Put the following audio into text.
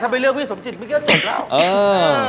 ถ้าไม่เลือกพี่สมจิตมันก็เจ็บแล้ว